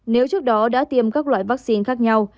nếu trước đó đã tiêm các loại vaccine khác nhau